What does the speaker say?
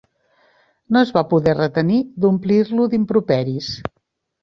No es va poder retenir d'omplir-lo d'improperis.